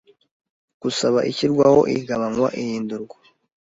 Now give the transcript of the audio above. Gusaba ishyirwaho igabanywa ihindurwa